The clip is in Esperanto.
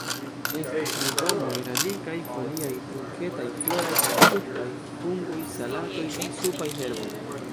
Estas legomoj: radikaj, foliaj, trunketaj, floraj kaj fruktaj; fungoj, salatoj kaj supaj herboj.